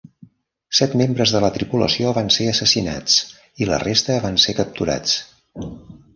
Set membres de la tripulació van ser assassinats i la resta van ser capturats.